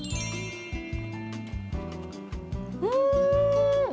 うん！